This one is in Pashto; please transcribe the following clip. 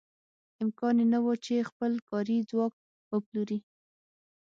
امکان یې نه و چې خپل کاري ځواک وپلوري.